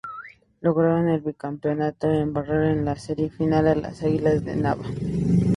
Lograron el Bicampeonato al barrer en la Serie Final a las "Águilas de Nava".